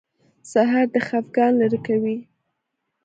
سهار د خفګان لرې کوي.